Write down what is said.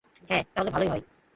হ্যাঁ, তাহলে ভালোই হয়।